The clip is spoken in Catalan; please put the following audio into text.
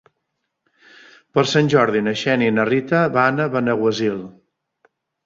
Per Sant Jordi na Xènia i na Rita van a Benaguasil.